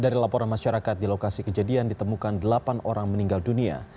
dari laporan masyarakat di lokasi kejadian ditemukan delapan orang meninggal dunia